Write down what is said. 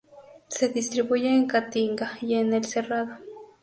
Se distribuye en Caatinga y en el Cerrado.